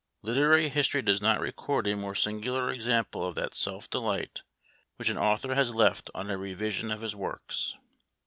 Literary history does not record a more singular example of that self delight which an author has felt on a revision of his works.